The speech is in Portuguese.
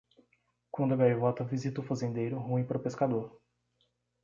Quando a gaivota visita o fazendeiro, ruim para o pescador.